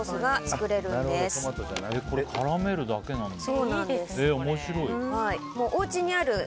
これ絡めるだけなんですか？